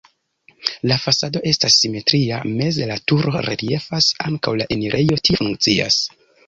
La fasado estas simetria, meze la turo reliefas, ankaŭ la enirejo tie funkcias.